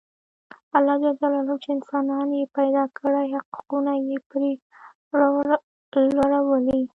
الله ج چې انسانان یې پیدا کړي حقونه یې پرې لورولي.